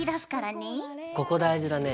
ここ大事だね。